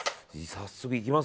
早速いきます？